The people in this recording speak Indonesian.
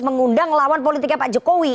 mengundang lawan politiknya pak jokowi